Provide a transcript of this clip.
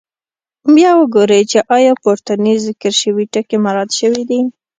بیا وګورئ چې آیا پورتني ذکر شوي ټکي مراعات شوي دي.